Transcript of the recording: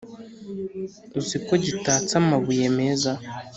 uzi ko gitatse amabuye meza